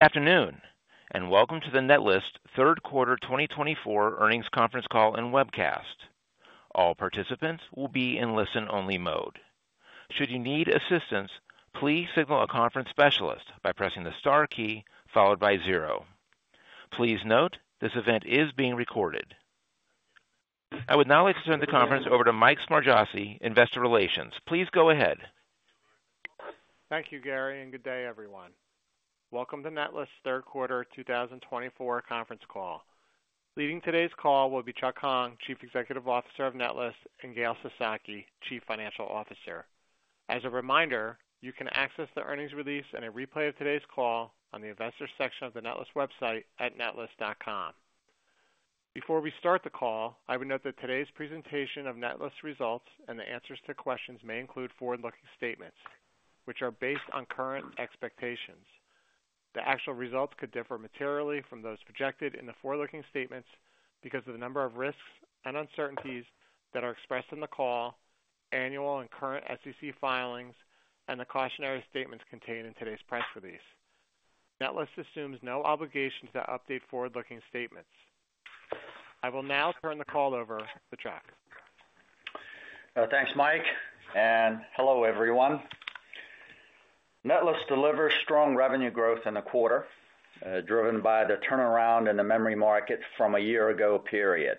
Good afternoon, and welcome to the Netlist third quarter 2024 earnings conference call and webcast. All participants will be in listen-only mode. Should you need assistance, please signal a conference specialist by pressing the star key followed by zero. Please note this event is being recorded. I would now like to turn the conference over to Mike Smargiassi, Investor Relations. Please go ahead. Thank you, Gary, and good day, everyone. Welcome to Netlist third quarter 2024 conference call. Leading today's call will be Chuck Hong, Chief Executive Officer of Netlist, and Gail Sasaki, Chief Financial Officer. As a reminder, you can access the earnings release and a replay of today's call on the Investor section of the Netlist website at netlist.com. Before we start the call, I would note that today's presentation of Netlist results and the answers to questions may include forward-looking statements, which are based on current expectations. The actual results could differ materially from those projected in the forward-looking statements because of the number of risks and uncertainties that are expressed in the call, annual and current SEC filings, and the cautionary statements contained in today's press release. Netlist assumes no obligation to update forward-looking statements. I will now turn the call over to Chuck. Thanks, Mike, and hello, everyone. Netlist delivers strong revenue growth in the quarter, driven by the turnaround in the memory market from a year ago period.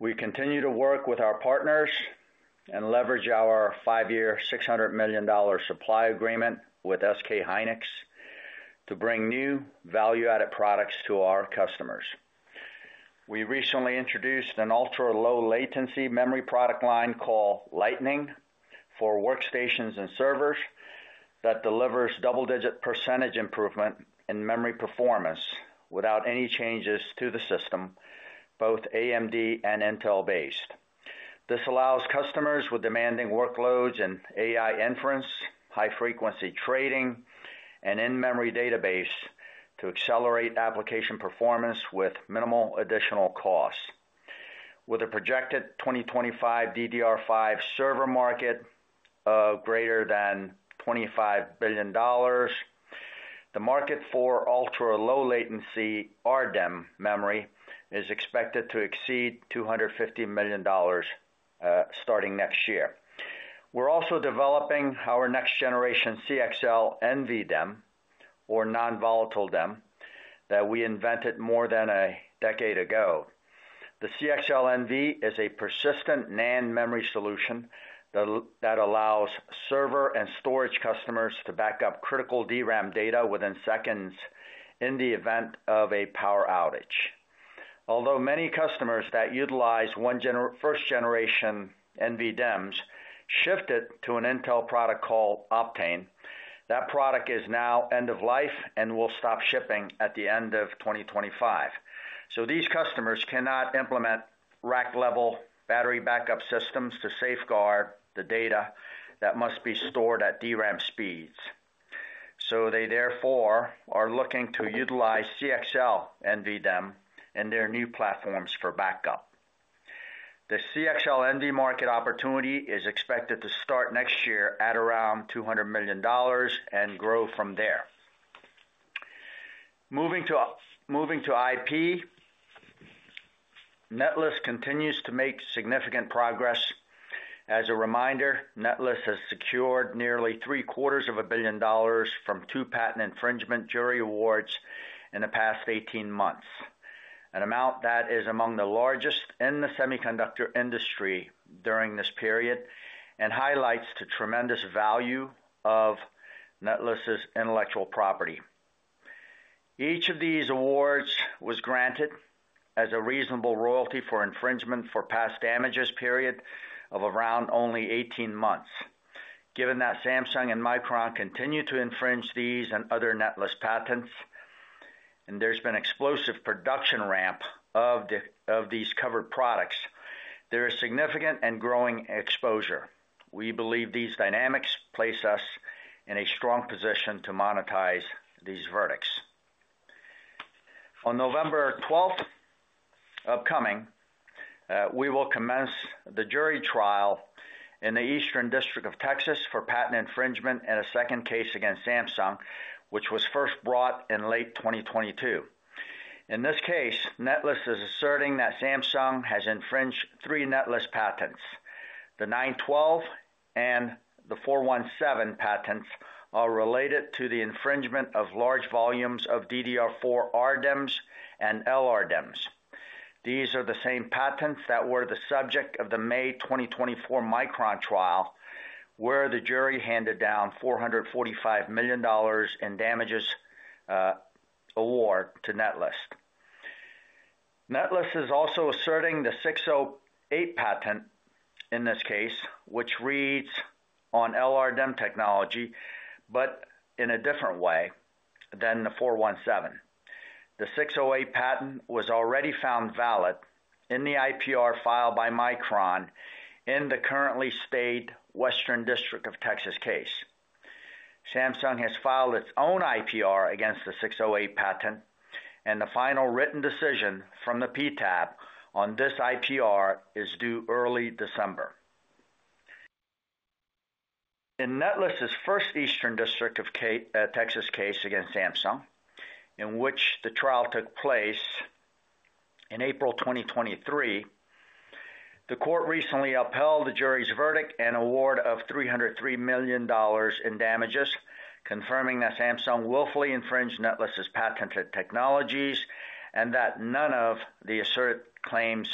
We continue to work with our partners and leverage our five-year, $600 million supply agreement with SK hynix to bring new value-added products to our customers. We recently introduced an ultra-low-latency memory product line called Lightning for workstations and servers that delivers double-digit percentage improvement in memory performance without any changes to the system, both AMD and Intel-based. This allows customers with demanding workloads and AI inference, high-frequency trading, and in-memory database to accelerate application performance with minimal additional costs. With a projected 2025 DDR5 server market of greater than $25 billion, the market for ultra-low-latency RDIMM memory is expected to exceed $250 million starting next year. We're also developing our next-generation CXL NVDIMM, or non-volatile DIM, that we invented more than a decade ago. The CXL NV is a persistent NAND memory solution that allows server and storage customers to back up critical DRAM data within seconds in the event of a power outage. Although many customers that utilize our first-generation NVDIMMs shifted to an Intel product called Optane, that product is now end-of-life and will stop shipping at the end of 2025. So these customers cannot implement rack-level battery backup systems to safeguard the data that must be stored at DRAM speeds. So they therefore are looking to utilize CXL NVDIMM in their new platforms for backup. The CXL NV market opportunity is expected to start next year at around $200 million and grow from there. Moving to IP, Netlist continues to make significant progress. As a reminder, Netlist has secured nearly $750 million from two patent infringement jury awards in the past 18 months, an amount that is among the largest in the semiconductor industry during this period and highlights the tremendous value of Netlist's intellectual property. Each of these awards was granted as a reasonable royalty for infringement for past damages period of around only 18 months. Given that Samsung and Micron continue to infringe these and other Netlist patents, and there's been explosive production ramp of these covered products, there is significant and growing exposure. We believe these dynamics place us in a strong position to monetize these verdicts. On November 12th upcoming, we will commence the jury trial in the Eastern District of Texas for patent infringement in a second case against Samsung, which was first brought in late 2022. In this case, Netlist is asserting that Samsung has infringed three Netlist patents. The 912 and the 417 patents are related to the infringement of large volumes of DDR4 RDIMMs and LRDIMMs. These are the same patents that were the subject of the May 2024 Micron trial, where the jury handed down $445 million in damages award to Netlist. Netlist is also asserting the 608 patent in this case, which reads on LRDIMM technology, but in a different way than the 417. The 608 patent was already found valid in the IPR filed by Micron in the currently stayed Western District of Texas case. Samsung has filed its own IPR against the 608 patent, and the final written decision from the PTAB on this IPR is due early December. In Netlist's first Eastern District of Texas case against Samsung, in which the trial took place in April 2023, the court recently upheld the jury's verdict and award of $303 million in damages, confirming that Samsung willfully infringed Netlist's patented technologies and that none of the asserted claims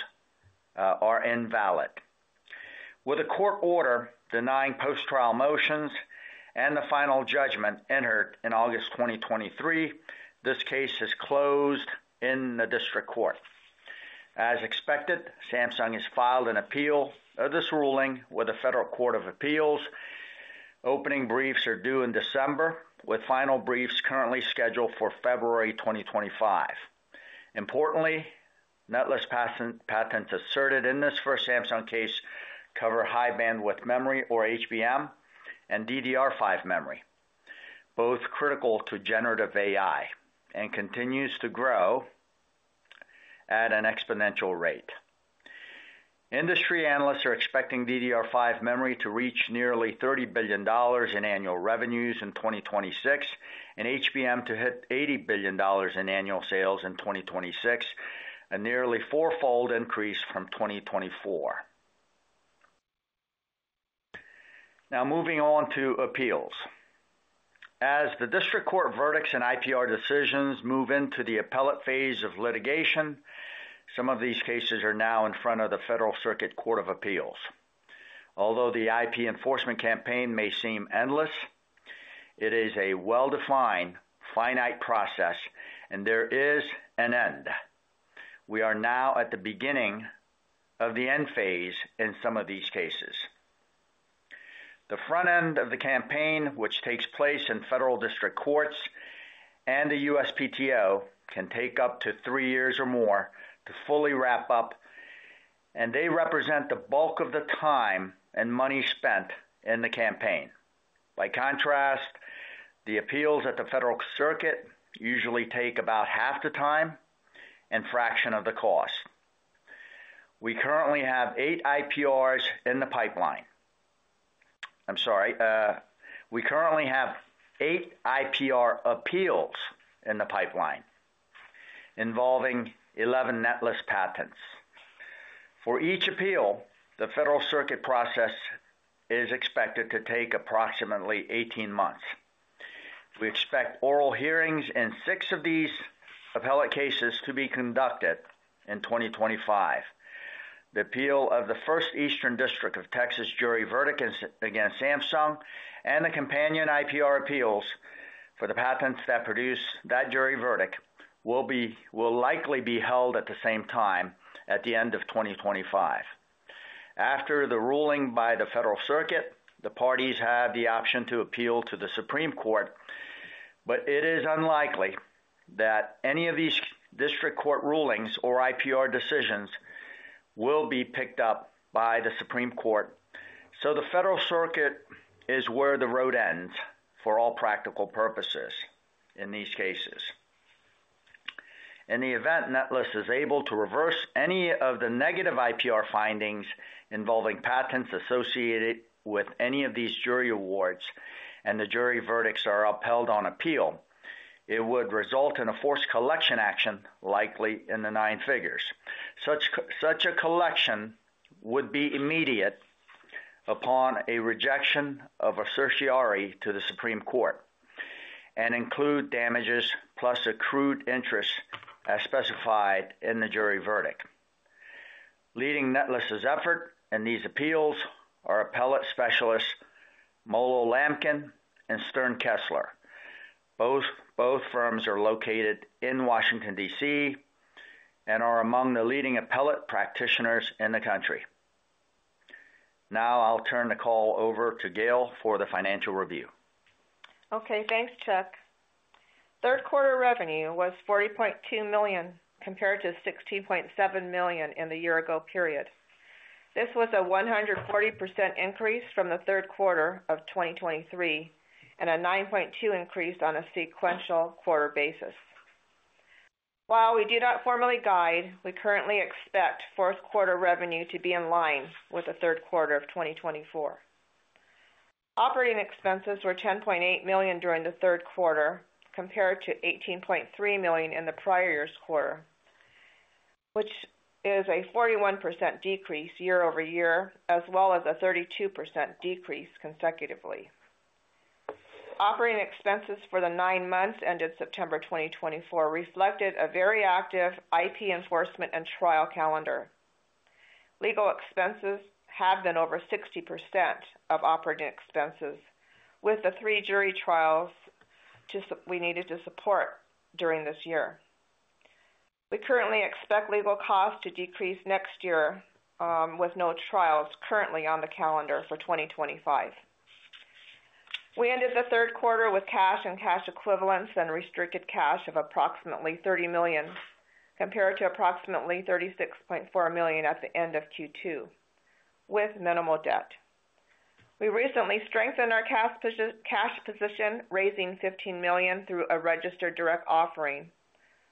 are invalid. With a court order denying post-trial motions and the final judgment entered in August 2023, this case is closed in the district court. As expected, Samsung has filed an appeal of this ruling with the Federal Circuit Court of Appeals. Opening briefs are due in December, with final briefs currently scheduled for February 2025. Importantly, Netlist patents asserted in this first Samsung case cover high-bandwidth memory, or HBM, and DDR5 memory, both critical to generative AI and continues to grow at an exponential rate. Industry analysts are expecting DDR5 memory to reach nearly $30 billion in annual revenues in 2026, and HBM to hit $80 billion in annual sales in 2026, a nearly four-fold increase from 2024. Now moving on to appeals. As the district court verdicts and IPR decisions move into the appellate phase of litigation, some of these cases are now in front of the Federal Circuit Court of Appeals. Although the IP enforcement campaign may seem endless, it is a well-defined, finite process, and there is an end. We are now at the beginning of the end phase in some of these cases. The front end of the campaign, which takes place in federal district courts and the USPTO, can take up to three years or more to fully wrap up, and they represent the bulk of the time and money spent in the campaign. By contrast, the appeals at the Federal Circuit usually take about half the time and a fraction of the cost. We currently have eight IPRs in the pipeline. I'm sorry. We currently have eight IPR appeals in the pipeline involving 11 Netlist patents. For each appeal, the Federal Circuit process is expected to take approximately 18 months. We expect oral hearings in six of these appellate cases to be conducted in 2025. The appeal of the first Eastern District of Texas jury verdict against Samsung and the companion IPR appeals for the patents that produce that jury verdict will likely be held at the same time at the end of 2025. After the ruling by the Federal Circuit, the parties have the option to appeal to the Supreme Court, but it is unlikely that any of these district court rulings or IPR decisions will be picked up by the Supreme Court. So the Federal Circuit is where the road ends for all practical purposes in these cases. In the event Netlist is able to reverse any of the negative IPR findings involving patents associated with any of these jury awards and the jury verdicts are upheld on appeal, it would result in a forced collection action likely in the nine figures. Such a collection would be immediate upon a rejection of a certiorari to the Supreme Court and include damages plus accrued interest as specified in the jury verdict. Leading Netlist's effort in these appeals are appellate specialists MoloLamken and Sterne Kessler. Both firms are located in Washington, D.C., and are among the leading appellate practitioners in the country. Now I'll turn the call over to Gail for the financial review. Okay. Thanks, Chuck. Third quarter revenue was $40.2 million compared to $16.7 million in the year-ago period. This was a 140% increase from the third quarter of 2023 and a 9.2% increase on a sequential quarter basis. While we do not formally guide, we currently expect fourth quarter revenue to be in line with the third quarter of 2024. Operating expenses were $10.8 million during the third quarter compared to $18.3 million in the prior year's quarter, which is a 41% decrease year over year, as well as a 32% decrease consecutively. Operating expenses for the nine months ended September 2024 reflected a very active IP enforcement and trial calendar. Legal expenses have been over 60% of operating expenses, with the three jury trials we needed to support during this year. We currently expect legal costs to decrease next year with no trials currently on the calendar for 2025. We ended the third quarter with cash and cash equivalents and restricted cash of approximately $30 million compared to approximately $36.4 million at the end of Q2, with minimal debt. We recently strengthened our cash position, raising $15 million through a registered direct offering,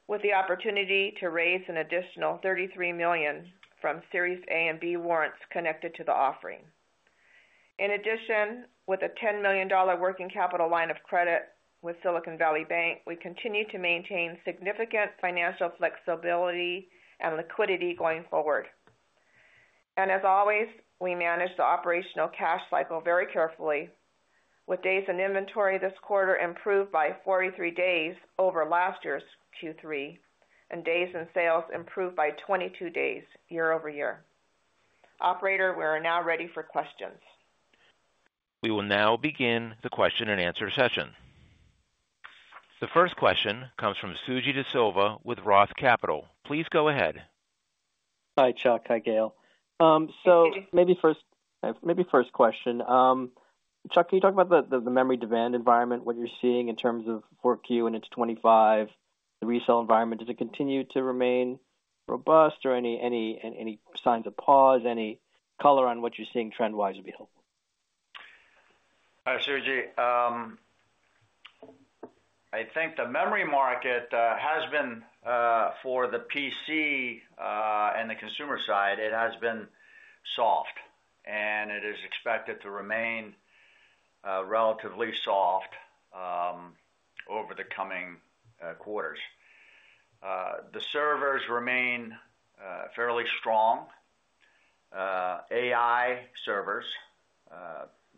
with the opportunity to raise an additional $33 million from Series A and B warrants connected to the offering. In addition, with a $10 million working capital line of credit with Silicon Valley Bank, we continue to maintain significant financial flexibility and liquidity going forward. And as always, we manage the operational cash cycle very carefully, with days in inventory this quarter improved by 43 days over last year's Q3 and days in sales improved by 22 days year over-year. Operator, we are now ready for questions. We will now begin the question and answer session. The first question comes from Suji Desilva with Roth Capital. Please go ahead. Hi, Chuck. Hi, Gail. So maybe first question. Chuck, can you talk about the memory demand environment, what you're seeing in terms of 4Q and it's 2025, the resale environment? Does it continue to remain robust or any signs of pause? Any color on what you're seeing trend-wise would be helpful. Suji, I think the memory market has been for the PC and the consumer side, it has been soft, and it is expected to remain relatively soft over the coming quarters. The servers remain fairly strong. AI servers,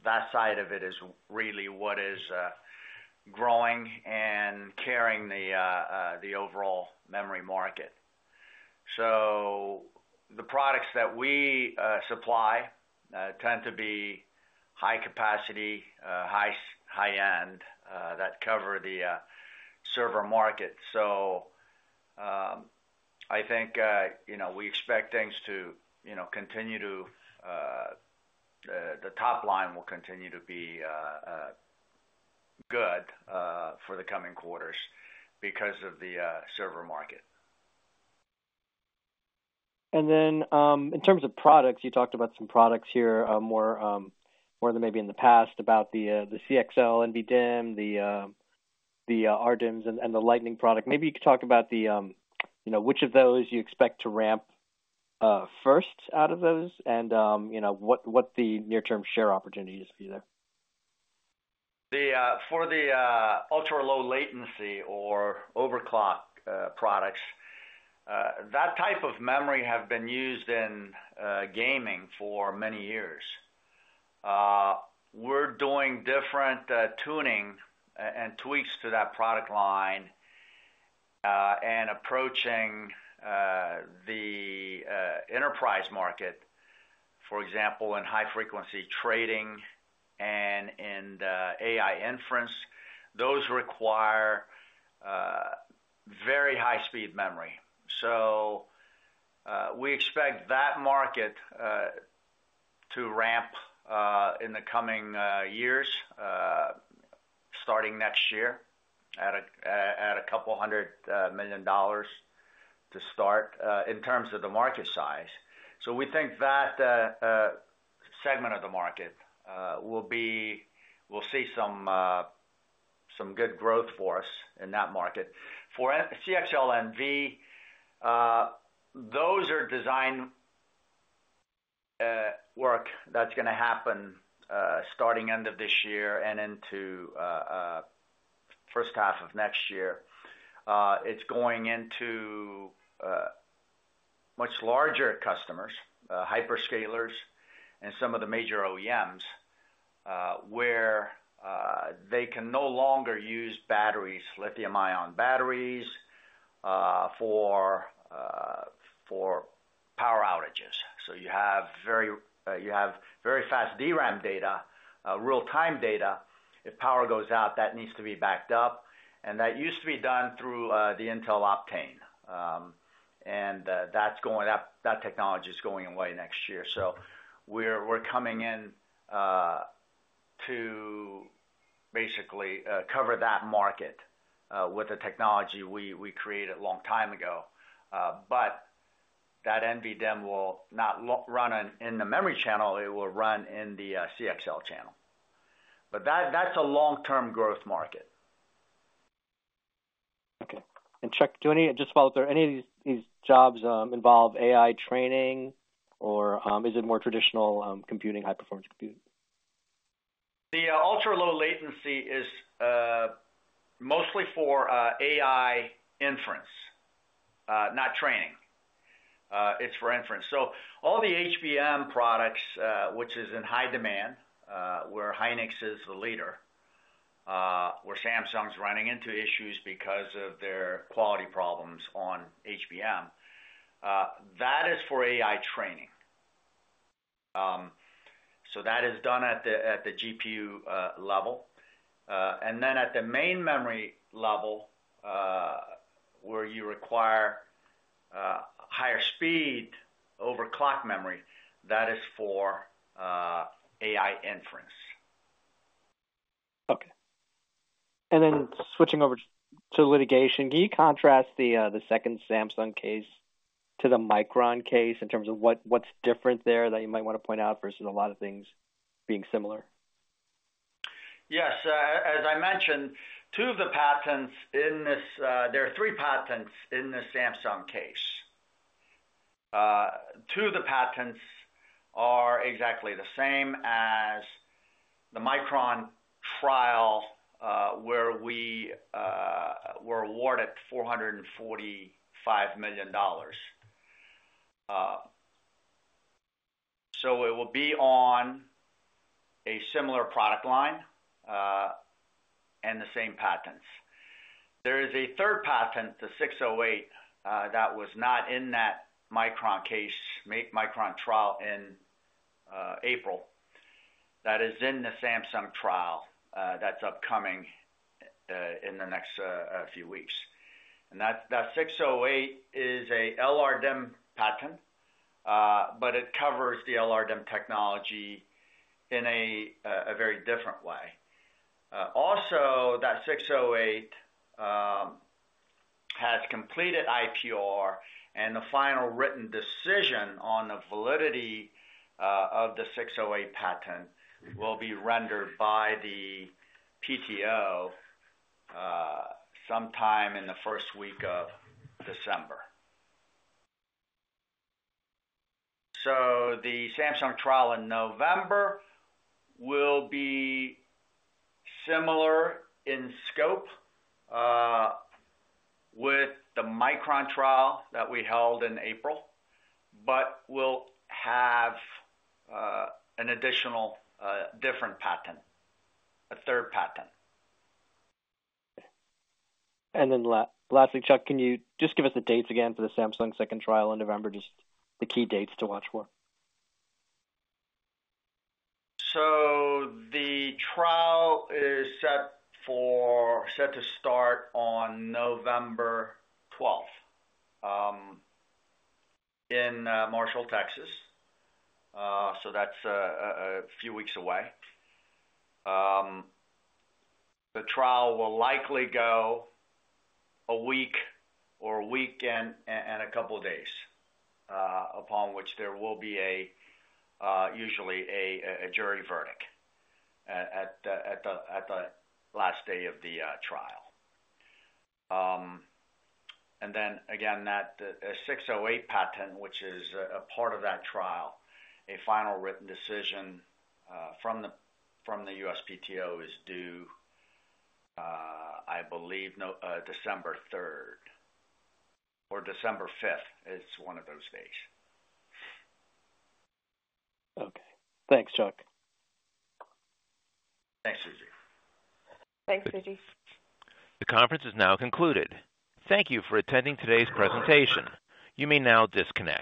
that side of it is really what is growing and carrying the overall memory market. So the products that we supply tend to be high capacity, high-end that cover the server market. So I think we expect things to continue to the top line will continue to be good for the coming quarters because of the server market. And then in terms of products, you talked about some products here more than maybe in the past about the CXL NVDIMM, the RDIMMs, and the Lightning product. Maybe you could talk about which of those you expect to ramp first out of those and what the near-term share opportunity is for you there. For the ultra-low latency or overclock products, that type of memory has been used in gaming for many years. We're doing different tuning and tweaks to that product line and approaching the enterprise market, for example, in high-frequency trading and in AI inference. Those require very high-speed memory. So we expect that market to ramp in the coming years, starting next year at $200 million to start in terms of the market size. So we think that segment of the market will see some good growth for us in that market. For CXL NVDIMM, those are design work that's going to happen starting end of this year and into first half of next year. It's going into much larger customers, hyperscalers, and some of the major OEMs where they can no longer use batteries, lithium-ion batteries for power outages. So you have very fast DRAM data, real-time data. If power goes out, that needs to be backed up. And that used to be done through the Intel Optane. And that technology is going away next year. So we're coming in to basically cover that market with a technology we created a long time ago. But that NVDIMM will not run in the memory channel. It will run in the CXL channel. But that's a long-term growth market. Okay. And Chuck, do you want to just follow up? Are any of these jobs involve AI training, or is it more traditional computing, high-performance computing? The ultra-low latency is mostly for AI inference, not training. It's for inference. So all the HBM products, which is in high demand, where Hynix is the leader, where Samsung's running into issues because of their quality problems on HBM, that is for AI training. So that is done at the GPU level. And then at the main memory level, where you require higher speed overclock memory, that is for AI inference. Okay. And then switching over to litigation, can you contrast the second Samsung case to the Micron case in terms of what's different there that you might want to point out versus a lot of things being similar? Yes. As I mentioned, two of the patents. There are three patents in this Samsung case. Two of the patents are exactly the same as the Micron trial where we were awarded $445 million. So it will be on a similar product line and the same patents. There is a third patent, the 608, that was not in that Micron trial in April. That is in the Samsung trial that's upcoming in the next few weeks, and that 608 is an LRDIMM patent, but it covers the LRDIMM technology in a very different way. Also, that 608 has completed IPR, and the final written decision on the validity of the 608 patent will be rendered by the PTO sometime in the first week of December. So the Samsung trial in November will be similar in scope with the Micron trial that we held in April, but will have an additional different patent, a third patent. And then lastly, Chuck, can you just give us the dates again for the Samsung second trial in November, just the key dates to watch for? The trial is set to start on November 12th in Marshall, Texas. That's a few weeks away. The trial will likely go a week or a week and a couple of days, upon which there will be usually a jury verdict at the last day of the trial. Then, again, that 608 patent, which is a part of that trial, a final written decision from the USPTO is due, I believe, December 3rd or December 5th. It's one of those days. Okay. Thanks, Chuck. Thanks, Suji. Thanks, Suji. The conference is now concluded. Thank you for attending today's presentation. You may now disconnect.